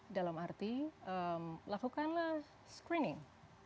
dalam arti lakukan screening